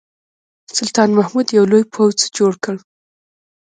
سلطان محمود یو لوی پوځ جوړ کړ.